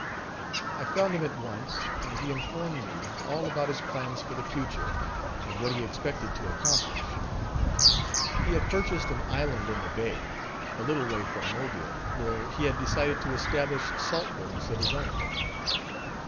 I found him at once, and he informed me all about his plans for the future, and what he expected to accomplish. He had purchased an island in the bay, a little way from Mobile, where he had decided to establish salt works of his own.